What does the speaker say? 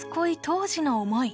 当時の思い